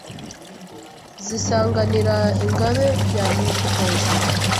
Zisanganira ingabe ya Mwikozi